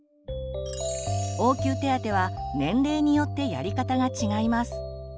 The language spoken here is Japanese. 応急手当は年齢によってやり方が違います。